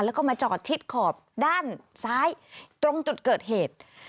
แล้วก็มาจอดชิดขอบด้านซ้ายตรงจุดเกิดเหตุ